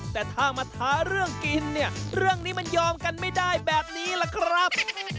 แต่ถ้ามาท้าเรื่องกินเนี่ยเรื่องนี้มันยอมกันไม่ได้แบบนี้ล่ะครับ